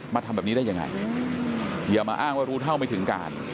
ทำแบบนี้ได้ยังไงอย่ามาอ้างว่ารู้เท่าไม่ถึงการ